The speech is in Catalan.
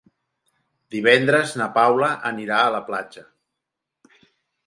Divendres na Paula anirà a la platja.